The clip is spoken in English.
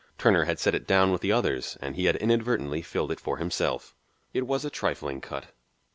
Turner had set it down with the others and he had inadvertently filled it for himself. It was a trifling cut.